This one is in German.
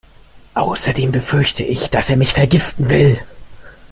Außerdem befürchte ich, dass er mich vergiften will.